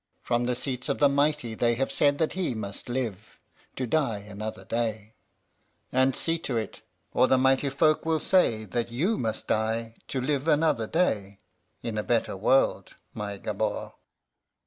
"From the seats of the mighty they have said that he must live to die another day; and see to it, or the mighty folk will say that you must die to live another day in a better world, my Gabord."